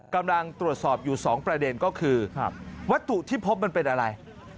กำลังตรวจสอบอยู่๒ประเด็นก็คือวัตถุที่พบมันเป็นอะไร